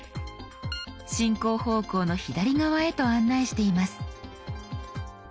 進行方向の左側へと案内しています。